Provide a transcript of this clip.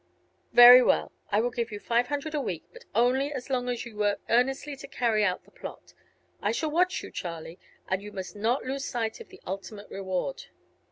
"Very well; I will give you five hundred a week; but only as long as you work earnestly to carry out the plot. I shall watch you, Charlie. And you must not lose sight of the ultimate reward."